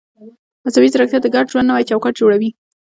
مصنوعي ځیرکتیا د ګډ ژوند نوی چوکاټ جوړوي.